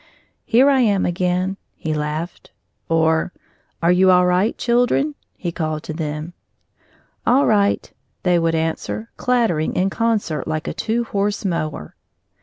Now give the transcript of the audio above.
"Here I am again!" he laughed; or "Are you all right, children?" he called to them. "All right!" they would answer, clattering in concert like a two horse mower.